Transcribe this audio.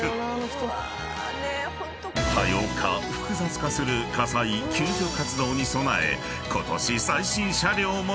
［多様化複雑化する火災・救助活動に備えことし］